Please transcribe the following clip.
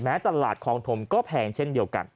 ตลาดคลองธมก็แพงเช่นเดียวกัน